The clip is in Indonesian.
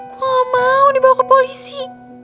gue gak mau dibawa ke polisi